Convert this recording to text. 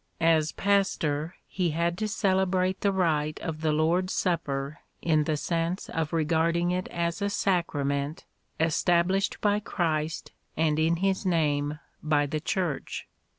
As pastor he had to celebrate the rite of the Lord's Supper in the sense of regarding it as a sacrament established by Christ and in His name by the Church.